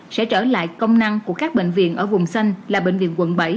sẽ trở lại công năng của các bệnh viện ở vùng xanh là bệnh viện quận bảy